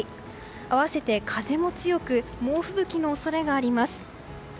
合わせて風も強く猛吹雪の恐れがあります。